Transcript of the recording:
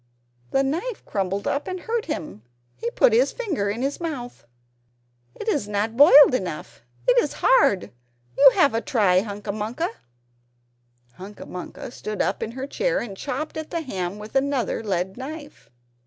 The knife crumpled up and hurt him; he put his finger in his mouth. "It is not boiled enough; it is hard. You have a try, Hunca Munca." Hunca Munca stood up in her chair, and chopped at the ham with another lead knife.